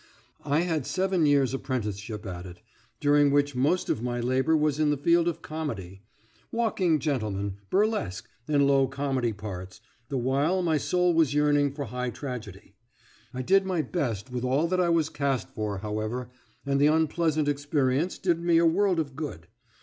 I had seven years' apprenticeship at it, during which most of my labour was in the field of comedy "walking gentleman," burlesque, and low comedy parts the while my soul was yearning for high tragedy. I did my best with all that I was cast for, however, and the unpleasant experience did me a world of good.